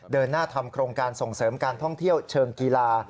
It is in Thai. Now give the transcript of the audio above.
เดินหน้าทำโครงการส่งเสริมการท่องเที่ยวเชิงกีฬา